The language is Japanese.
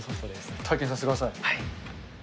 体験させてください。